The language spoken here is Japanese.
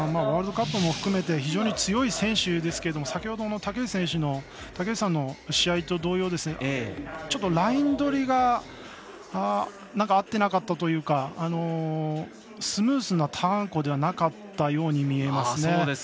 ワールドカップも含めて非常に強い選手ですけれども先ほどの竹内さんの試合と同様ライン取りが合ってなかったというかスムーズなターン弧ではなかったように見えますね。